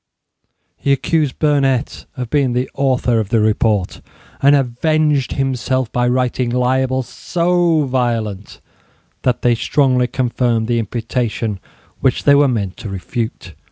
He accused Burnet of being the author of the report, and avenged himself by writing libels so violent that they strongly confirmed the imputation which they were meant to refute.